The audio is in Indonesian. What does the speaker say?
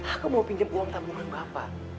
aku mau pinjam uang tabungan bapak